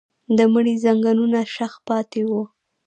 د مړي ځنګنونه شخ پاتې وو.